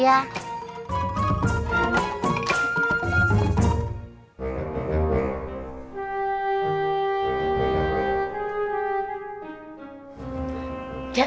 ya dipanggil kang mus